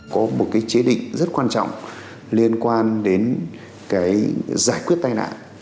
có một chế định rất quan trọng liên quan đến giải quyết tai nạn